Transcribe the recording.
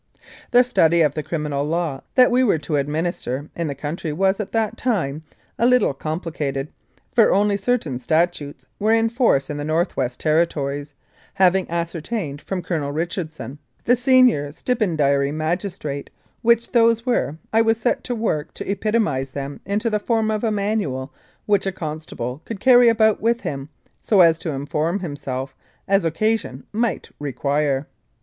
The study of the Criminal Law that we were to ad minister in the country was, at that time, a little com plicated, for only certain statutes were in force in the North West Territories; having ascertained from Colonel Richardson, the senior stipendiary magistrate, which those were, I set to work to epitomise them into the form of a manual which a constable could carry about with him, so as to inform himself as occasion might require.